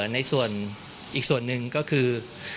ในอีกส่วนนึงก็คือ